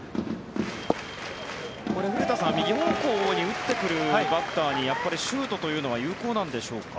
これ、古田さん右方向に打ってくるバッターにやっぱりシュートというのは有効なんでしょうか。